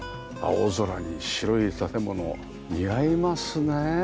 青空に白い建物似合いますね。